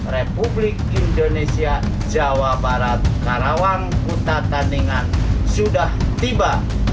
republik indonesia jawa barat karawang kuta taningan sudah tiba